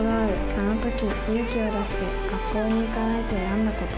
あのとき勇気を出して、学校に行かないと選んだこと。